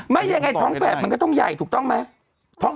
ยังไงท้องแฝดมันก็ต้องใหญ่ถูกต้องไหม